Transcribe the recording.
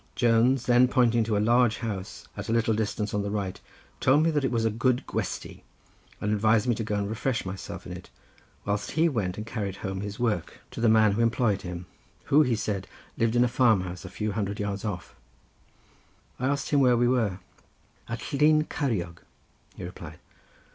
Jones then pointing to a large house, at a little distance on the right, told me that it was a good gwesty, and advised me to go and refresh myself in it, whilst he went and carried home his work to the man who employed him, who he said lived in a farm house a few hundred yards off. I asked him where we were. "At Llyn Ceiriog," he replied.